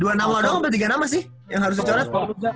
udah ya dua nama doang atau tiga nama sih yang harus dicoret